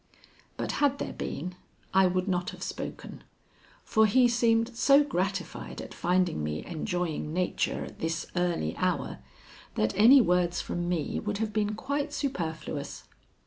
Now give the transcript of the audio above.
But had there been, I would not have spoken, for he seemed so gratified at finding me enjoying nature at this early hour that any words from me would have been quite superfluous.